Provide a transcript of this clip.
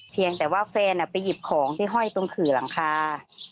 เพียงแต่ว่าแฟนไปหยิบของที่ห้อยตรงขื่อหลังคา